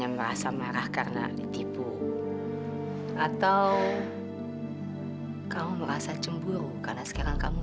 ya allah mas aku tau itu kamu